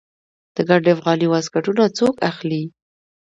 د ګنډ افغاني واسکټونه څوک اخلي؟